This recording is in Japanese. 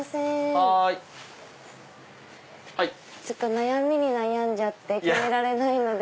悩みに悩んで決められないので。